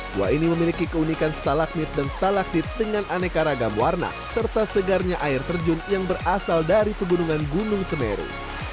gua ini memiliki keunikan stalagmit dan stalaktit dengan aneka ragam warna serta segarnya air terjun yang berasal dari pegunungan gunung semeru